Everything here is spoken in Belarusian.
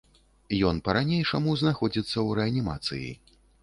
Ён па-ранейшаму знаходзіцца ў рэанімацыі.